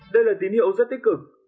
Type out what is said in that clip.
đây là tín hiệu rất tích cực